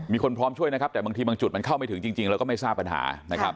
มีคนพร้อมช่วยแต่บางที่บางจุดเข้าไม่ถึงจริงแล้วก็ไม่ทราบปัญหา